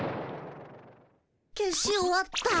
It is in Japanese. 消し終わった。